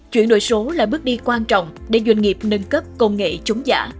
chuyển đổi số là bước đi quan trọng để doanh nghiệp nâng cấp công nghệ chống giả